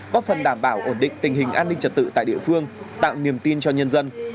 góp phần đảm bảo ổn định tình hình an ninh trật tự tại địa phương tạo niềm tin cho nhân dân